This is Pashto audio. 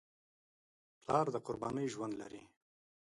پلار د قربانۍ ژوند لري.